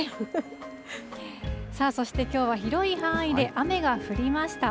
さあ、そしてきょうは広い範囲で雨が降りました。